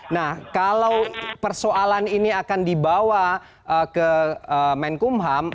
nah kalau persoalan ini akan dibawa ke menkumham